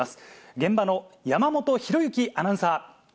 現場の山本紘之アナウンサー。